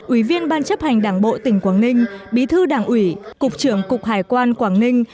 ủy viên ban chấp hành đảng bộ tỉnh quảng ninh bí thư đảng ủy cục trưởng cục hải quan quảng ninh